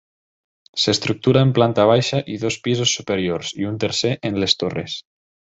S'estructura en planta baixa i dos pisos superiors i un tercer en les torres.